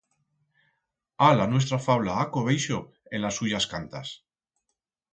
Ha la nuestra fabla a cobeixo en las suyas cantas.